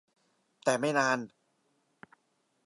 แต่ไม่นาน